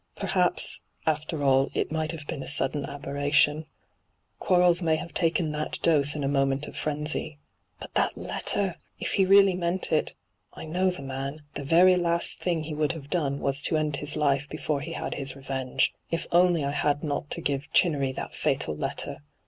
' Perhaps, after all, it might have been a sudden aberration. Quarles may have taken that dose in a moment of frenzy. But that letter ! If he really meant that — I know the man — the very last thing he would hyGoo>^lc ENTRAPPED 43 have done was to end his life before he had had his revenge 1 If only I had not to give Chinnery that fatal letter